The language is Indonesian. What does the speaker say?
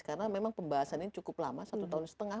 karena memang pembahasan ini cukup lama satu tahun setengah